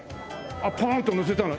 パーンってのせたの。